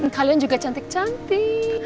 kalian juga cantik cantik